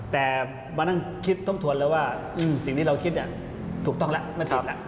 แต่มานั่งคิดทบทวนแล้วว่าสิ่งที่เราคิดถูกต้องแล้วไม่ผิดแล้ว